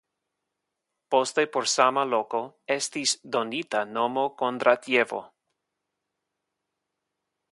Poste por sama loko estis donita nomo Kondratjevo.